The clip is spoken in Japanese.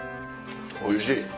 おいしい！